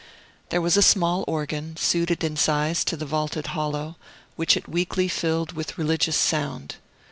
There was a small organ, suited in size to the vaulted hollow, which it weekly filled with religious sound.